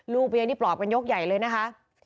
รูปเยี่ยงที่ปลอกเป็นยกใหญ่เลยนะคะ